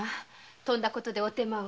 とんだ事でお手間を。